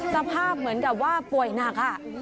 สภาพเหมือนกับว่าป่วยหนัก